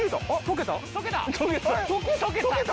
溶けた？